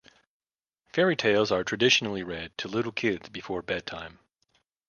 Fairy tales are traditionally read to little kids before bedtime.